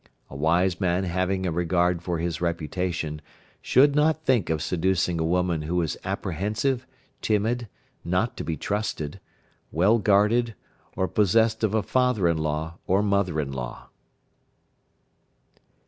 A wise man having a regard for his reputation should not think of seducing a woman who is apprehensive, timid, not to be trusted, well guarded, or possessed of a father in law, or mother in law.